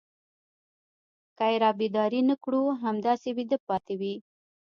که يې رابيدارې نه کړو همداسې ويدې پاتې وي.